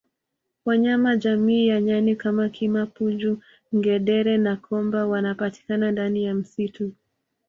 Wanyama jamii ya nyani kama kima punju ngedere na komba wanapatikana ndani ya msitu